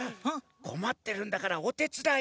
こまってるんだからおてつだい！